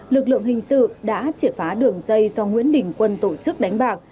lực lượng hình sự đã triển phá đường dây do nguyễn đỉnh quân tổ chức đánh bạc